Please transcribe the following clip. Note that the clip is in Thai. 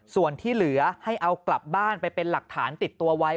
ส่วนที่เหลือให้เอากลับบ้านไปเป็นหลักฐานติดตัวไว้